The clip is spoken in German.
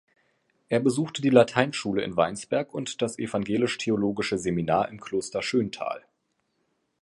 Er besuchte die Lateinschule in Weinsberg und das evangelisch-theologische Seminar im Kloster Schönthal.